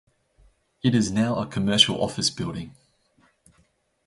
It is now a commercial office building.